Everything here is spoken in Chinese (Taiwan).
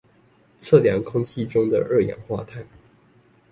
測量空氣中的二氧化碳